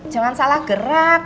jangan salah gerak